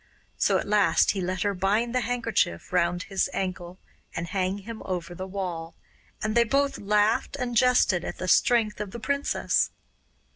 So at last he let her bind the handkerchief round his ankle and hang him over the wall, and they both laughed and jested at the strength of the princess.